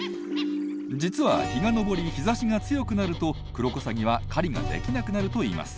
実は日が昇り日ざしが強くなるとクロコサギは狩りができなくなるといいます。